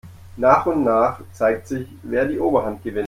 Nach und nach zeigt sich, wer die Oberhand gewinnt.